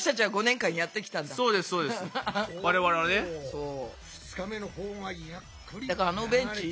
そう！